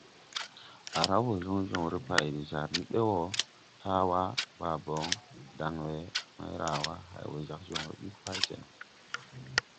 À raw wɔ joŋ joŋre pay de jar ni ɓe wɔ, Tawa, Baabon, Danwë, Mairawa hay wɔ jag joŋre ɓil pay see no.